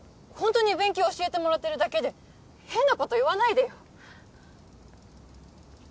ホントに勉強教えてもらってるだけで変なこと言わないでよ